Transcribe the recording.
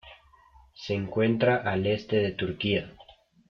Se encuentra al este de Turquía.